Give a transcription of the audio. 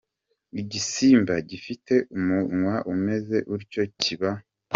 igisimba gifite umunwa umeze utyo kiba.